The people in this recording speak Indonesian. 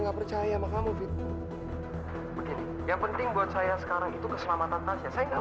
nggak percaya sama kamu fit begini yang penting buat saya sekarang itu keselamatan tasnya saya enggak